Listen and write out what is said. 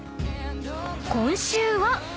［今週は］